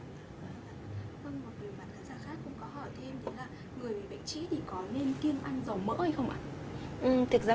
vâng một người bạn khán giả khác cũng có hỏi thêm là người bị bệnh trĩ thì có nên kiêng ăn dầu mỡ hay không ạ